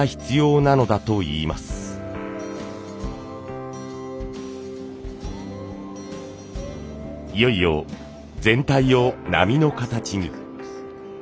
いよいよ全体を波の形に。